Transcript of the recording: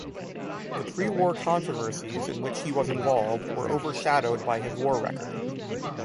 The pre-war controversies in which he was involved were overshadowed by his war record.